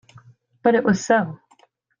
But it was so.